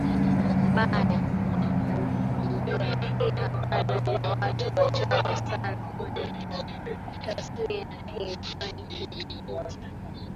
mbaya anakuambia hii hapana Ni watu wachache sana kwenye tasnia hii wenye uthubutu